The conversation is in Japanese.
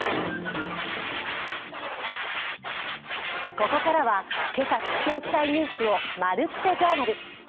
ここからは今朝知っておきたいニュースを「まるっと！Ｊｏｕｒｎａｌ」。